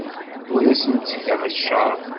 Ur asen-ttgeɣ cceṛ.